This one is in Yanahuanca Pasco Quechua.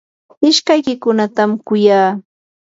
ishkaykiykunatam kuyaa.